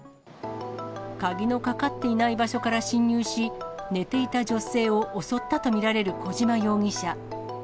鍵のかかっていない場所から侵入し、寝ていた女性を襲ったと見られる小島容疑者。